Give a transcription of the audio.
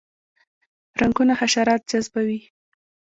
رنګونه حشرات جذبوي